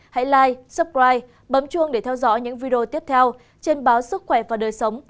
hãy like subscribe bấm chuông để theo dõi những video tiếp theo trên báo sức khỏe và đời sống